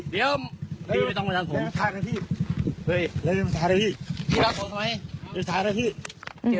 ได้ไว้สาวหน้าพี่